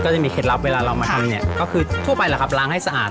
จะมีเคล็ดลับเวลาเรามาทำเนี่ยก็คือทั่วไปแหละครับล้างให้สะอาด